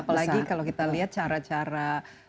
apalagi kalau kita lihat cara cara